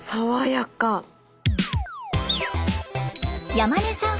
山根さん